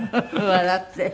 笑って。